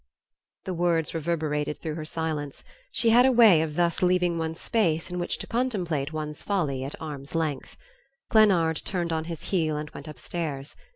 The words reverberated through her silence; she had a way of thus leaving one space in which to contemplate one's folly at arm's length. Glennard turned on his heel and went upstairs.